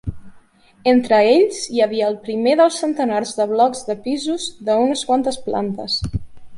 Entre ells hi havia el primer dels centenars de blocs de pisos de unes quantes plantes.